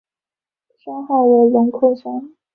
山号为龙口山。